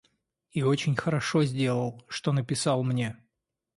И очень хорошо сделал, что написал мне.